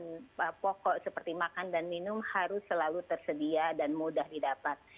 karena kebutuhan pokok seperti makan dan minum harus selalu tersedia dan mudah didapat